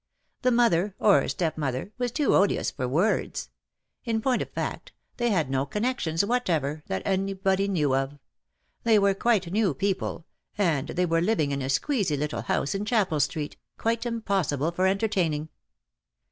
The mother — or stepmother — was too odious for words. In point of fact, they had no connexions whatever, that anybody knew of. They were quite new people, and they were living in a squeezy little house in Chapel Street, quite impossible for enter taining."